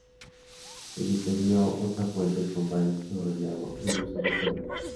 Se diseñó otra fuente con varios chorros de agua y luces de colores.